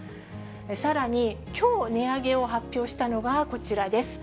さらにきょう値上げを発表したのがこちらです。